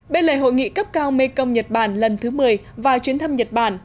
bên lề hội nghị cấp cao mekong nhật bản lần thứ một mươi và chuyến thăm nhật bản